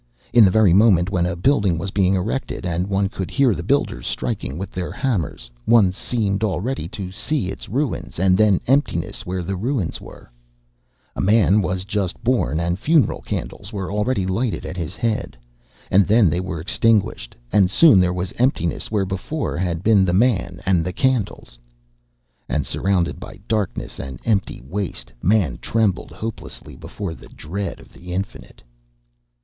In the very moment when a building was being erected and one could hear the builders striking with their hammers, one seemed already to see its ruins, and then emptiness where the ruins were_. _A man was just born, and funeral candles were already lighted at his head, and then were extinguished; and soon there was emptiness where before had been the man and the candles._ And surrounded by Darkness and Empty Waste, Man trembled hopelessly before the dread of the Infinite.